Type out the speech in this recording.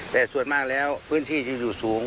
แต่ส่วนมากแล้วพื้นที่จะอยู่สูง